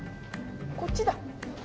こっちだ。